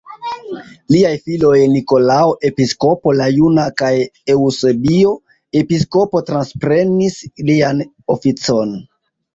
Liaj filoj Nikolao Episkopo la Juna kaj Eŭsebio Episkopo transprenis lian oficon.